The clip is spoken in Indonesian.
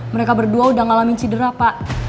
mereka berdua udah ngalamin cedera pak